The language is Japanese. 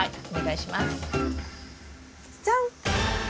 はい。